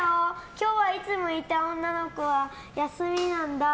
今日はいつもいる女の子は休みなんだ。